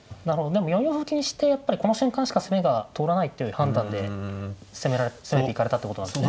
でも４四歩気にしてやっぱりこの瞬間しか攻めが通らないっていう判断で攻めていかれたってことなんですね。